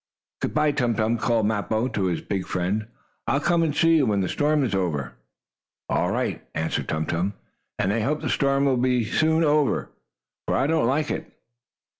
"Good by, Tum Tum!" called Mappo to his big friend. "I'll come and see you, when the storm is over." "All right," answered Tum Tum. "And I hope the storm will soon be over, for I do not like it."